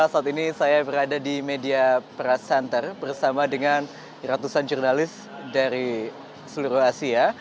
saat ini saya berada di media press center bersama dengan ratusan jurnalis dari seluruh asia